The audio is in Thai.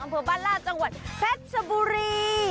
อำเภอบ้านลาดจังหวัดเพชรชบุรี